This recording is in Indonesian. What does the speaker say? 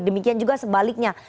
demikian juga sebaliknya